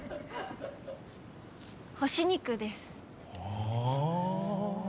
干し肉です。